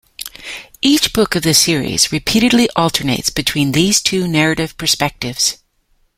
Each book of the series repeatedly alternates between these two narrative perspectives.